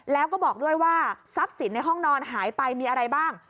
แล้วก็บอกด้วยว่าทรัพย์สินในห้องนอนหายไปมีอะไรบ้าง